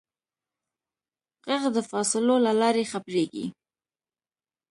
غږ د فاصلو له لارې خپرېږي.